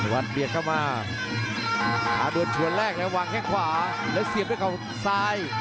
วันเบียดเข้ามาหาโดนชวนแรกแล้ววางแข้งขวาแล้วเสียบด้วยเขาซ้าย